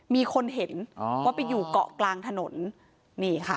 มีคนเห็นว่าไปอยู่เกาะกลางถนนนี่ค่ะ